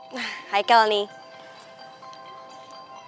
nah haikal nih